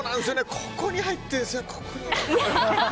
ここに入ってるんですよね。